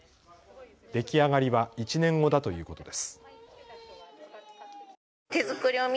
出来上がりは１年後だということです。